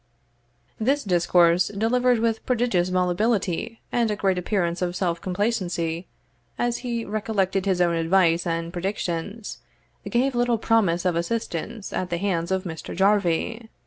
This discourse, delivered with prodigious volubility, and a great appearance of self complacency, as he recollected his own advice and predictions, gave little promise of assistance at the hands of Mr. Jarvie.